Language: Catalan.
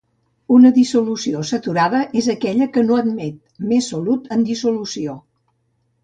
Una dissolució saturada és aquella que no admet més solut en dissolució.